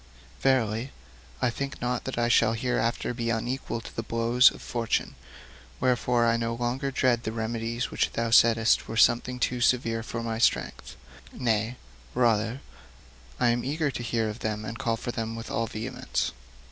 Verily, I think not that I shall hereafter be unequal to the blows of Fortune. Wherefore, I no longer dread the remedies which thou saidst were something too severe for my strength; nay, rather, I am eager to hear of them and call for them with all vehemence.'